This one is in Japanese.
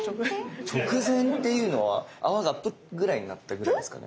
直前っていうのは泡がプッぐらいになったぐらいですかね？